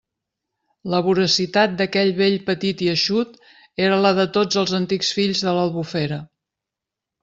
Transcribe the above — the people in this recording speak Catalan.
La voracitat d'aquell vell petit i eixut era la de tots els antics fills de l'Albufera.